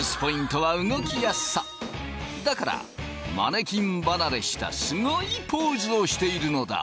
だからマネキン離れしたすごいポーズをしているのだ。